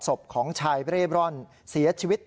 ศพของชายเร่ร่อนเสียชีวิต